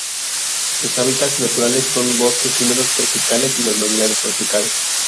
Sus hábitats naturales son los bosques húmedos tropicales y los manglares tropicales.